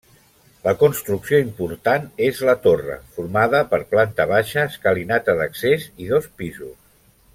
La construcció important és la torre, formada per planta baixa, escalinata d'accés i dos pisos.